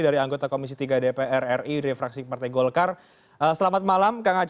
dari anggota komisi tiga dp rri refraksi partai golkar selamat malam kang ac